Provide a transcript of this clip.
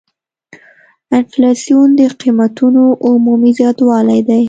انفلاسیون د قیمتونو عمومي زیاتوالی دی.